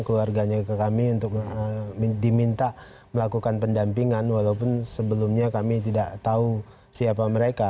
keluarganya ke kami untuk diminta melakukan pendampingan walaupun sebelumnya kami tidak tahu siapa mereka